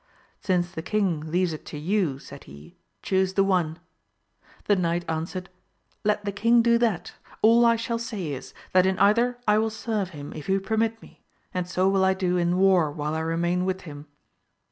Since the king leaves it to you, said he, chuse the one. The knight answered, Let the king do that ; all I shall say is, that in either I will serve him, if he permit me, and so will I do in war while I remain with him.